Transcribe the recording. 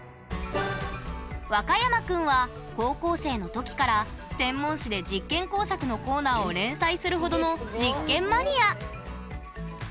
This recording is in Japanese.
ワカヤマくんは高校生の時から専門誌で実験工作のコーナーを連載するほどの実験マニア。